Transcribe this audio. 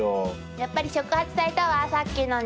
やっぱり触発されたわさっきのに。